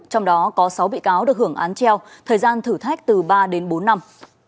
trong đó có sáu bị cáo được hưởng án treo thời gian thử thách từ ba đến bốn năm